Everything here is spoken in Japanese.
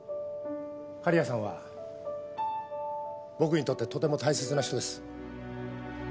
狩屋さんは僕にとってとても大切な人です。